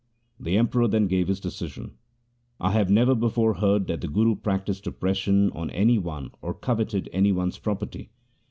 The Emperor then gave his decision. ' I have never before heard that the Guru practised oppression on any one or coveted any one's property.